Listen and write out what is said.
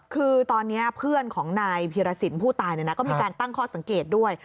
คือตอนนี้เพื่อนของนายพีรสินผู้ตายก็มีการตั้งข้อสังเกตด้วย